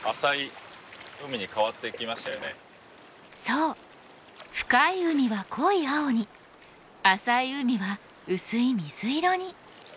そう深い海は濃い青に浅い海は薄い水色に。